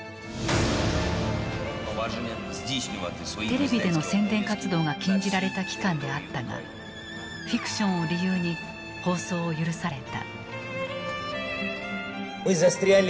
テレビでの宣伝活動が禁じられた期間であったがフィクションを理由に放送を許された。